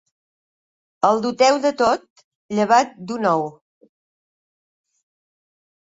El doteu de tot, llevat d'un ou.